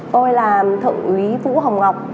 tôi là thượng úy vũ hồng ngọc